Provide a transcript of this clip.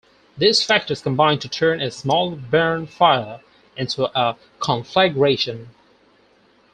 These factors combined to turn a small barn fire into a conflagration.